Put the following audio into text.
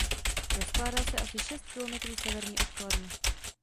Rozkládá se asi šest kilometrů severně od Kladna.